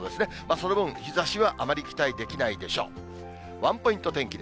その分、日ざしはあまり期待できないでしょう。